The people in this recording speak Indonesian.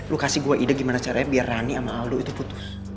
lu kasih gue ide gimana caranya biar rani sama aldo itu putus